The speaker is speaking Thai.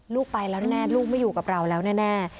ลูกไปแล้วแน่ลูกไม่อยู่กับเราแล้วแน่